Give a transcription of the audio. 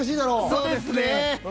そうですね。